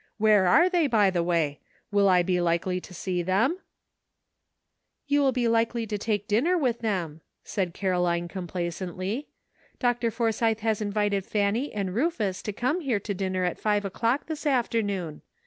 Where are they, by the way? Will I be likely to see them ?" "You'll be likely to take dinner with them," said Caroline complacently. " Dr. Forsythe has invited Fanny and Rufus to come here to dinner at five o'clock this afternoon.